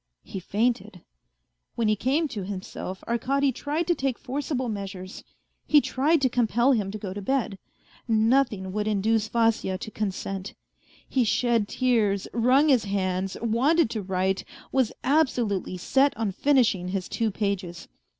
He fainted. When he came to himself Arkady tried to take forcible measures. He tried to compel him to go to bed. Nothing would induce Vasya to con sent. He shed tears, wrung his hands, wanted to write, was absolutely set on finishing his two pages.